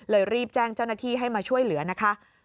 รีบแจ้งเจ้าหน้าที่ให้มาช่วยเหลือนะคะ